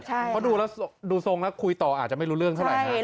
เพราะดูแล้วดูทรงแล้วคุยต่ออาจจะไม่รู้เรื่องเท่าไหร่